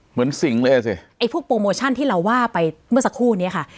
สิ่งเลยอ่ะสิไอ้พวกโปรโมชั่นที่เราว่าไปเมื่อสักครู่เนี้ยค่ะ